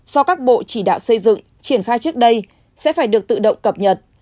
do các bộ chỉ đạo xây dựng triển khai trước đây sẽ phải được tự động cập nhật